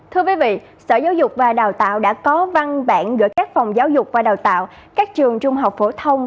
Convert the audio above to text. thưa quý vị sở giáo dục và đào tạo đã có văn bản gửi các phòng giáo dục và đào tạo